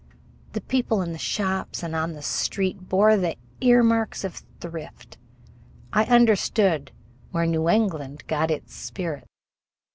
The people in the shops and on the street bore the earmarks of thrift. I understood where New England got its spirit.